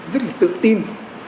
rất là tự tin